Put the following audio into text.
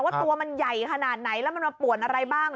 ว่าตัวมันใหญ่ขนาดไหนแล้วมันมาป่วนอะไรบ้าง